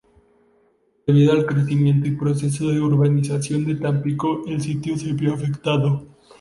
Debido al crecimiento y proceso de urbanización de Tampico, el sitio se vio afectado.